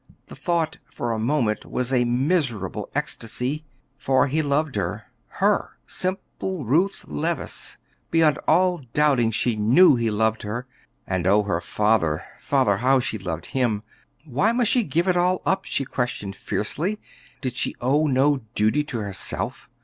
The thought for a moment was a miserable ecstasy; for he loved her, her, simple Ruth Levice, beyond all doubting she knew he loved her; and, oh, father, father, how she loved him! Why must she give it all up? she questioned fiercely; did she owe no duty to herself?